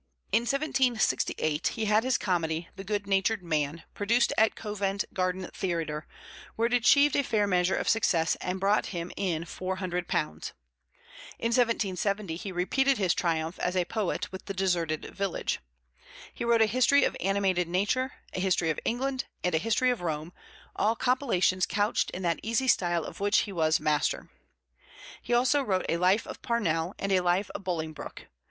In 1768 he had his comedy, The Good Natured Man, produced at Covent Garden Theatre, where it achieved a fair measure of success and brought him in £400. In 1770 he repeated his triumph as a poet with The Deserted Village. He wrote a History of Animated Nature, a History of England, and a History of Rome, all compilations couched in that easy style of which he was master. He also wrote a Life of Parnell and a Life of Bolingbroke.